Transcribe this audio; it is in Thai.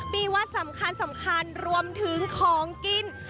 มีวัดสำคัญรวมถึงของกิน